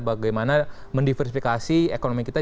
bagaimana mendiversifikasi ekonomi kita